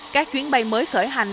các chuyến bay mới khởi hành